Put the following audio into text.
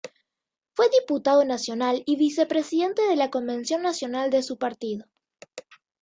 Fue diputado nacional y vicepresidente de la Convención Nacional de su partido.